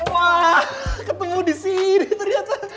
wah ketemu di sini ternyata